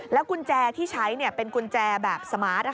แล้วกุญแจที่ใช้เนี่ยเป็นกุญแจแบบสมาร์ท